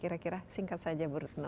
kira kira singkat saja bu rutno